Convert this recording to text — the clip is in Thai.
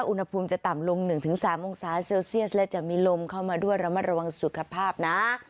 อุณหภูมิจะต่ำลง๑๓องศาเซลเซียสและจะมีลมเข้ามาด้วยระมัดระวังสุขภาพนะ